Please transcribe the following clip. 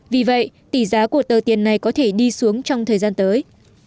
vì vậy tỷ giá của tờ tiền này có thể đi xuống trong thời gian tới